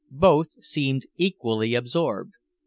Both seemed equally absorbed.